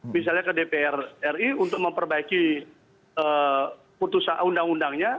misalnya ke dpr ri untuk memperbaiki putusan undang undangnya